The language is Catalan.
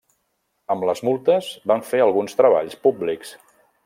Amb les multes van fer alguns treballs públics.